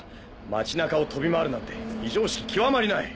町中を飛び回るなんて非常識きわまりない！